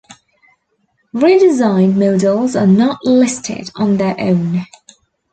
Redesigned models are not listed on their own.